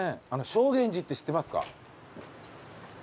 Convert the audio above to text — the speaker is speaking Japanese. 正眼寺って知ってます？